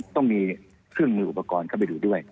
ต้องมีเครื่องมืออุปกรณ์เข้าไปดูด้วย